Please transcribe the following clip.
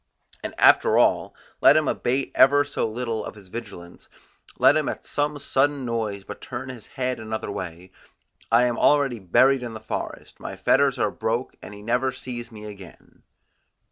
And after all, let him abate ever so little of his vigilance; let him at some sudden noise but turn his head another way; I am already buried in the forest, my fetters are broke, and he never sees me again.